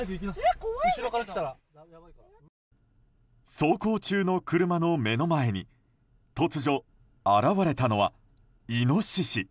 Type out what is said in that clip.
走行中の車の目の前に突如、現れたのはイノシシ。